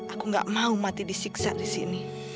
aku gak mau mati disiksa di sini